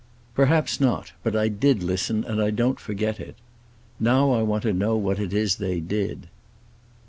"Perhaps not. But I did listen, and I don't forget it. Now I want to know what it is they did."